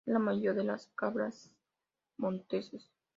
Es la mayor de las cabras monteses.